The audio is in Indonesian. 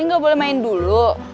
neng gak boleh main dulu